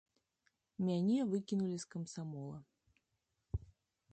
Мяне выкінулі з камсамола.